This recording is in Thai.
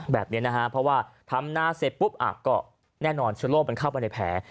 แบบนี้นะฮะเพราะว่าทำนาเสร็จปุ๊บอ่ะก็แน่นอนเชื้อโรคมันเข้าไปในแผล